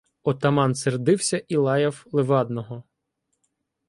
Отаман сердився і лаяв Левадного.